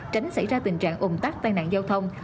tránh xảy ra tình trạng ủng tắc tai nạn giao thông